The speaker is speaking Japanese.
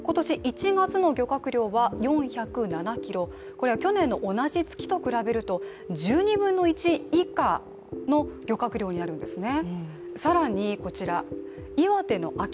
これは去年の同じ月と比べると１２分の１以下の量になるんですね。